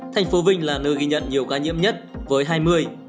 thành phố vinh là nơi ghi nhận nhiều ca nhiễm nhất với hai mươi